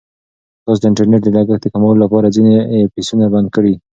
تاسو د انټرنیټ د لګښت د کمولو لپاره ځینې ایپسونه بند کړئ.